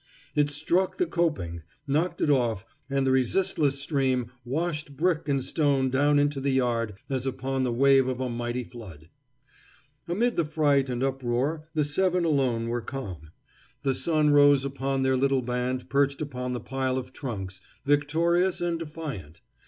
It struck the coping, knocked it off, and the resistless stream washed brick and stone down into the yard as upon the wave of a mighty flood. Amid the fright and uproar the seven alone were calm. The sun rose upon their little band perched upon the pile of trunks, victorious and defiant.